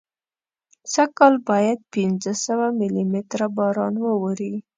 سږکال باید پینځه سوه ملي متره باران واوري.